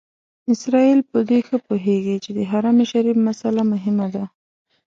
اسرائیل په دې ښه پوهېږي چې د حرم شریف مسئله مهمه ده.